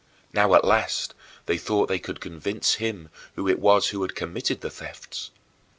Now, at last, they thought they could convince him who it was that had committed the thefts.